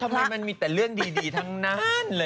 ทำไมมันมีแต่เรื่องดีทั้งนั้นเลย